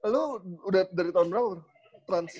lu udah dari tahun berapa trans